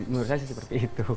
menurut saya sih seperti itu